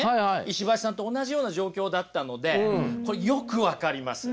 石橋さんと同じような状況だったのでこれよく分かります。